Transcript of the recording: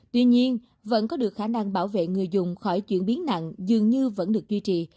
tuy nhiên vẫn có được khả năng bảo vệ người dùng khỏi chuyển biến nặng dường như vẫn được duy trì